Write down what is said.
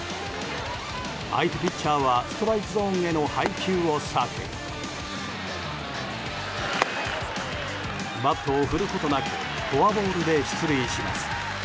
相手ピッチャーはストライクゾーンへの配球を避けバットを振ることなくフォアボールで出塁します。